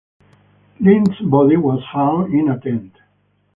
Linn's body was found in a tent.